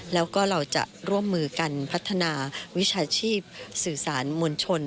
แล้วก็เราจะร่วมมือกันพัฒนาวิชาชีพสื่อสารมวลชน